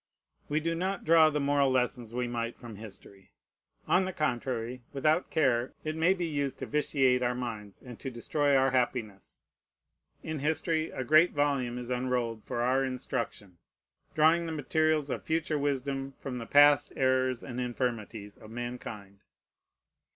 We do not draw the moral lessons we might from history. On the contrary, without care it may be used to vitiate our minds and to destroy our happiness. In history a great volume is unrolled for our instruction, drawing the materials of future wisdom from the past errors and infirmities of mankind.